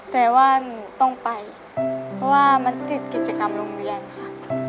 แต่ว่าหนูต้องไปเพราะว่ามันติดกิจกรรมโรงเรียนค่ะ